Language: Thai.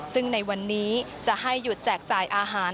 ซึ่งในวันนี้จะให้หยุดแจกจ่ายอาหาร